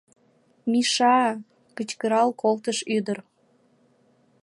— Миша! — кычкырал колтыш ӱдыр.